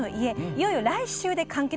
いよいよ来週で完結。